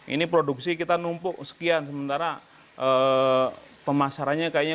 ini produksi kita numpuk sekian sementara pemasarannya kayaknya